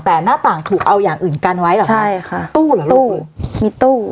แต่หน้าต่างถูกเอาอย่างอื่นกันไว้เหรอใช่ค่ะตู้เหรอตู้มีตู้